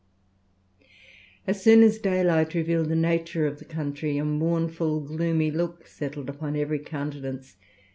"As soon as daylight revealed the nature of the country, a mournful gloomy look settled upon every countenance.